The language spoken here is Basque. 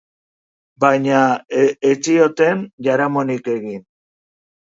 Baina ez zioten jaramonik egin.